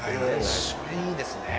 それいいですね。